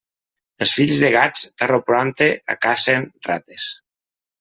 Els fills de gats, tard o prompte, acacen rates.